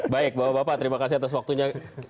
baik bapak bapak terima kasih atas waktunya